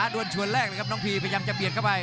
โดนชวนแรกเลยครับน้องพีพยายามจะเบียดเข้าไป